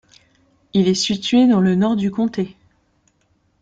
Il est situé dans le nord du comté.